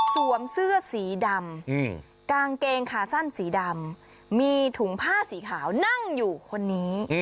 เสื้อสีดำกางเกงขาสั้นสีดำมีถุงผ้าสีขาวนั่งอยู่คนนี้